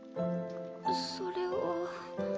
それは。